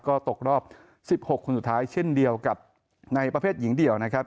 ก็ตกรอบ๑๖คนสุดท้ายเช่นเดียวกับในประเภทหญิงเดี่ยวนะครับ